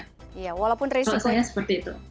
kalau saya seperti itu